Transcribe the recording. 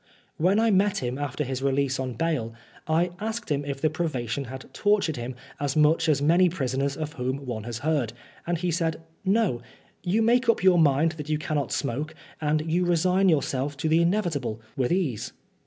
When I met him after his release on bail, I asked him if the privation had tortured him as much as many prisoners of whom one has heard, and he 54 Oscar Wilde said, "No. You make up your mind that you cannot smoke, and you resign yourself to the inevitable with ease."